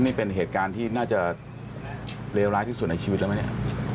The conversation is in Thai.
นี่เป็นเหตุการณ์ที่น่าจะเลวร้ายที่สุดในชีวิตแล้วไหมเนี่ย